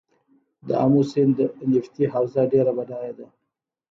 د امو سیند نفتي حوزه ډیره بډایه ده